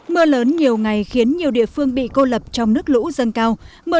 mưa lớn nhiều ngày khiến nhiều địa phương bị cô lập trong nước lũ dâng cao